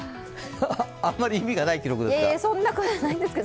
あんまり意味がない記録ですけど。